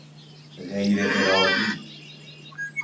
غیرارادی